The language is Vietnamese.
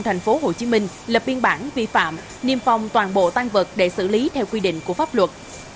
thành phố hồ chí minh lập biên bản vi phạm niêm phong toàn bộ tang vật để xử lý theo quy định của pháp luật